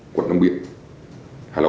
quận nông biển hà lộ